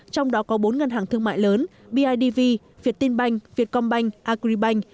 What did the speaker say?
trong đó có bốn ngân hàng thương mại lớn bidv việt tinh banh việt com banh agribank